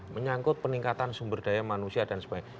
menyangkut peningkatan sumber daya manusia dan sebagainya